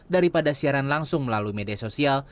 daripada siaran langsung melalui media sosial